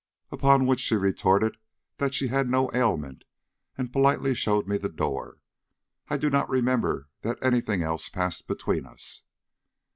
Upon which she retorted that she had no ailment, and politely showed me the door. I do not remember that any thing else passed between us."